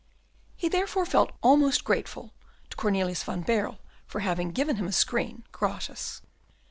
He therefore felt almost grateful to Cornelius van Baerle for having given him a screen gratis.